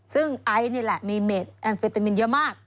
ซึ่งไอซ์นี่แหละมีเมดแอมเฟตามินเยอะมาก